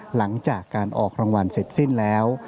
หลังจากการออกรางวัลเสร็จสิ้นแล้ว